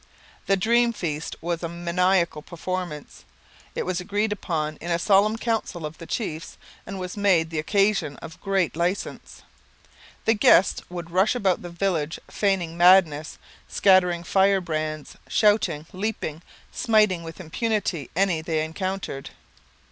The Dream Feast was a maniacal performance. It was agreed upon in a solemn council of the chiefs and was made the occasion of great licence. The guests would rush about the village feigning madness, scattering fire brands, shouting, leaping, smiting with impunity any they encountered.